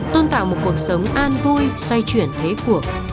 tôn tạo một cuộc sống an vui xoay chuyển thế của